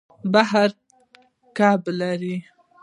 بحر کب لري.